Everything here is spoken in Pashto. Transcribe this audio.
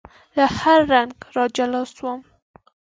له هر رنګ را جلا شوم